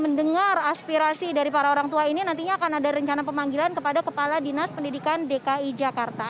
mendengar aspirasi dari para orang tua ini nantinya akan ada rencana pemanggilan kepada kepala dinas pendidikan dki jakarta